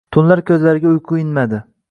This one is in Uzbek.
Tunlar ko‘zlariga uyqu inmadi